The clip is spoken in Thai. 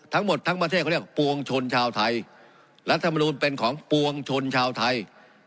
ทั้งหมดทั้งประเทศเขาเรียกปวงชนชาวไทยรัฐมนูลเป็นของปวงชนชาวไทย